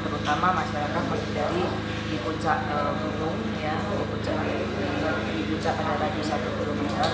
terutama masyarakat berdiri di puncak gunung ya di puncak panah radio satu gunungnya